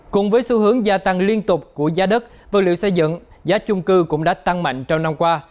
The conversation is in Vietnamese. cùng với xu hướng gia tăng liên tục của giá đất vật liệu xây dựng giá chung cư cũng đã tăng mạnh trong năm qua